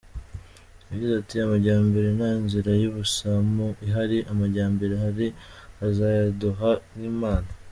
Yagize ati “Amajyambere nta nzira y’ubusamu ihari, amajyambere hari uzayaduha nk’impano ?